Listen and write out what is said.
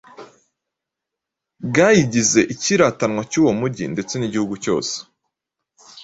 bwayigize icyiratanwa cy’uwo mujyi ndetse n’igihugu cyose.